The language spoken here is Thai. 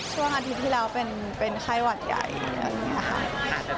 ช่วงอาทิตย์ที่แล้วเป็นไข้หวัดใหญ่แบบนี้ค่ะ